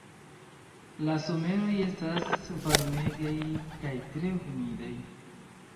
La someroj estas varmegaj kaj tre humidaj.